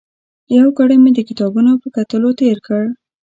یو ګړی مې د کتابونو په کتلو تېر کړ.